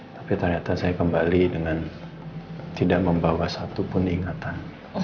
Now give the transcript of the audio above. tapi ternyata saya kembali dengan tidak membawa satupun ingatan